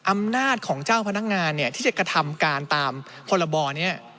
อำนาจของเจ้าพนักงานเนี่ยที่จะกระทำการตามพรบนี้